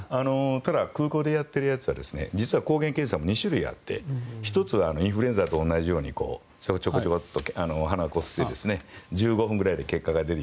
ただ、空港でやってるやつは実は抗原検査も２種類あって１つはインフルエンザと同じようにちょこちょこっと鼻をこすって１５分ぐらいで結果が出る。